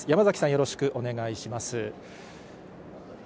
よろしくお願いします。